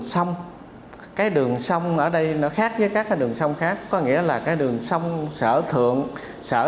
xong cái đường xong ở đây nó khác với các đường xong khác có nghĩa là cái đường xong sở thượng sở